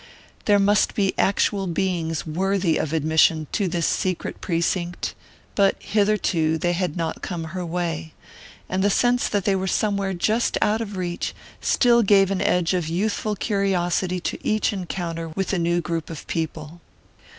There must be actual beings worthy of admission to this secret precinct, but hitherto they had not come her way; and the sense that they were somewhere just out of reach still gave an edge of youthful curiosity to each encounter with a new group of people.